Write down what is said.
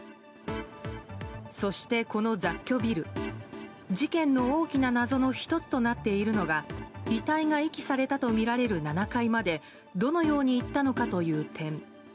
そして、この雑居ビル事件の大きな謎の１つとなっているのが遺体が遺棄されたとみられる７階までどのように行ったのかという点。